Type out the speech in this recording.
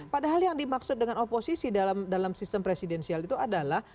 padahal yang dimaksud dengan oposisi dalam sistem presidensial itu adalah